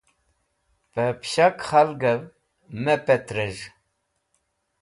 Pẽ pẽshak khalgẽv me petrẽz̃h.